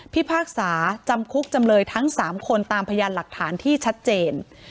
พิพากษาจำคุกจำเลยทั้ง๓คนตามพยานหลักฐานที่ชัดเจน